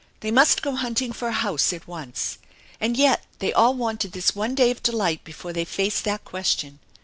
They must go hunting for a house at once. And yet they all wanted this one day of delight before they faced that question.